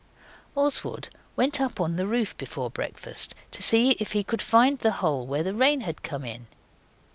Oswald went up on the roof, before breakfast, to see if he could find the hole where the rain had come in.